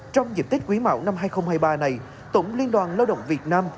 trong dịp tết quý mạo năm hai nghìn hai mươi ba này tổng liên đoàn lao động việt nam